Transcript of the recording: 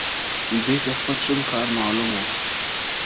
دوی ته خپل شوم کار معلوم وو.